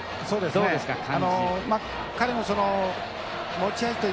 そうですか。